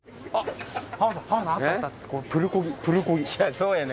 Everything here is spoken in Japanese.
そうやね。